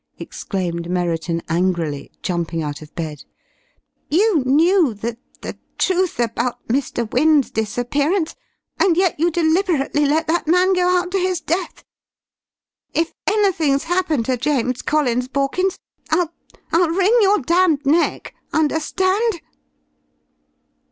exclaimed Merriton angrily, jumping out of bed. "You knew the the truth about Mr. Wynne's disappearance, and yet you deliberately let that man go out to his death. If anything's happened to James Collins, Borkins, I'll I'll wring your damned neck. Understand?"